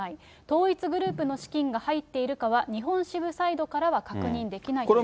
統一グループの資金が入っているかは、日本支部サイドからは確認できないと。